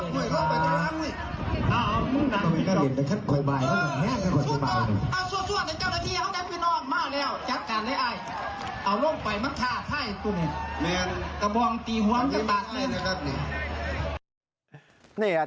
มาเอาตัวของผู้ชายคนนี้ลงจากเวทีนะครับ